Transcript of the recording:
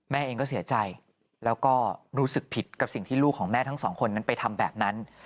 แม่เองก็เสียใจแล้วก็รู้สึกผิดกับสิ่งที่ลูกของแม่ทั้งสองคนนั้นไปทำแบบนั้น